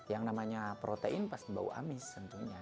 yang namanya protein pasti bau amis tentunya